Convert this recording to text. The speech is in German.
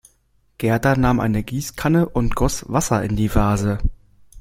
Gerda nahm eine Gießkanne und goss Wasser in die Vase.